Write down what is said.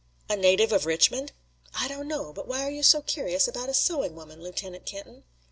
"A native of Richmond?" "I don't know. But why are you so curious about a sewing woman, Lieutenant Kenton?"